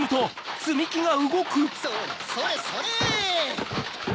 それそれそれ！